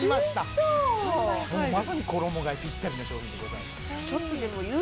３倍入るまさに衣がえぴったりの商品でございます